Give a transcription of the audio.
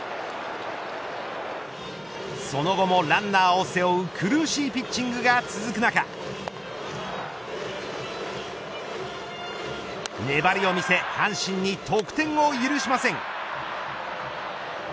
その後もランナーを背負う苦しいピッチングが続く中粘りをみせ阪神に得点を許しません。